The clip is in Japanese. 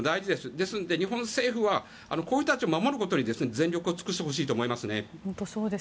なので、日本政府はこういう人たちを守ることに全力を尽くしてほしいと思います。